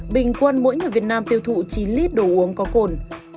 bình quân mỗi người việt nam tiêu thụ chín lít đồ uống có cồn